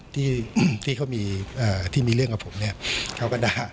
ที่เขามีที่มีเรื่องกับผมเนี่ยเขาก็ด่า